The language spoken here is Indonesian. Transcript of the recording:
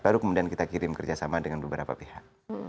baru kemudian kita kirim kerjasama dengan beberapa pihak